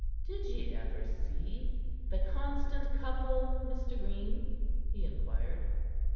"Did ye ever see 'The Constant Couple,' Mr. Green?" he inquired.